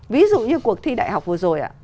ví dụ như cuộc thi đại học vừa rồi